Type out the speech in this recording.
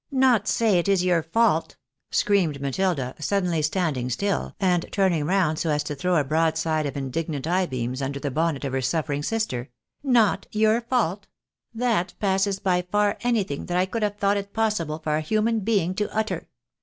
" Not say it is your fault ?" screamed Matilda, suddenly stand ing still, and turning round so as to throw a broadside of indignant eye beams under the bonnet of her suffering sister ;" not your fault ? That passes by far anything that I could have thought it possible for a human being to utter